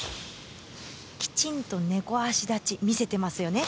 きちんと猫足立ち見せていますよね。